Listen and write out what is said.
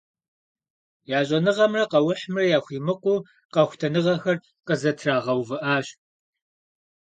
Я щӀэныгъэмрэ къэухьымрэ яхуримыкъуу къэхутэныгъэхэр къызэтрагъэувыӀащ.